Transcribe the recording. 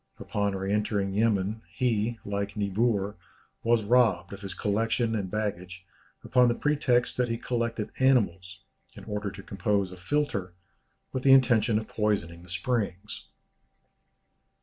Upon re entering Yemen, he, like Niebuhr, was robbed of his collections and baggage, upon the pretext that he collected animals, in order to compose a philtre, with the intention of poisoning the springs.